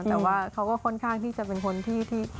แต่ว่าเขาก็ค่อนข้างที่จะเป็นคนที่